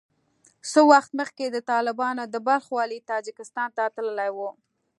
څه وخت مخکې د طالبانو د بلخ والي تاجکستان ته تللی وو